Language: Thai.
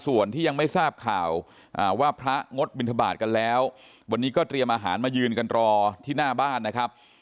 ว่าพระงดบินทบาทกันแล้ววันนี้ก็เตรียมอาหารมายืนกันรอที่หน้าบ้านนะครับ